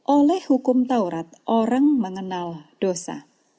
oleh hukum taurat orang mengenal dosa